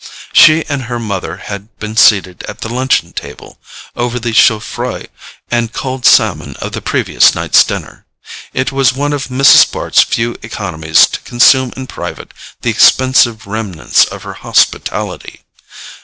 She and her mother had been seated at the luncheon table, over the CHAUFROIX and cold salmon of the previous night's dinner: it was one of Mrs. Bart's few economies to consume in private the expensive remnants of her hospitality.